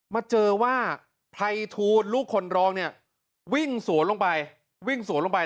มาเจอว่าไพรทูลลูกคนรองเนี่ยวิ่งสวนลงไปวิ่งสวนลงไป